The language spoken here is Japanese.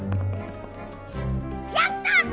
やった！